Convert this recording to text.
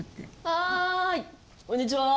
はいこんにちは！